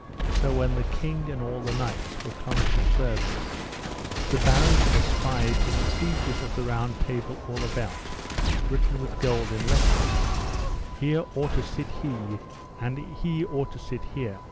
So when the king and all the knights were come from service, the barons espied in the sieges of the Round Table all about, written with golden letters: Here ought to sit he, and he ought to sit here.